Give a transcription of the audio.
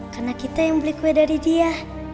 karena kita yang beli kue dari dia